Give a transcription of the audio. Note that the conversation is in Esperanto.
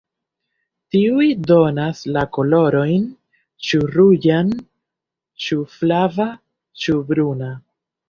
Tiuj donas la kolorojn ĉu ruĝan ĉu flava ĉu bruna.